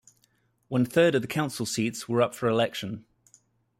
One third of the council seats were up for election.